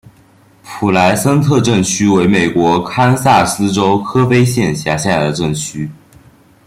普莱森特镇区为美国堪萨斯州科菲县辖下的镇区。